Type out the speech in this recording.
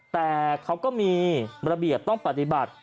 แต่เขาก็มีระเบียบต้องปฏิบัติ